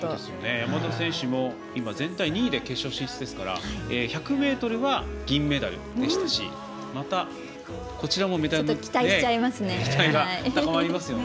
山田選手も全体２位で決勝進出ですから１００ｍは銀メダルでしたしまた、こちらもメダルの期待が高まりますね。